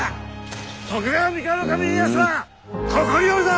徳川三河守家康はここにおるぞ！